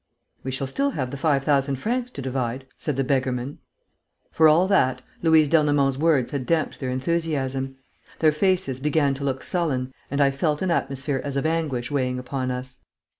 "We shall still have the five thousand francs to divide," said the beggar man. For all that, Louise d'Ernemont's words had damped their enthusiasm. Their faces began to look sullen and I felt an atmosphere as of anguish weighing upon us.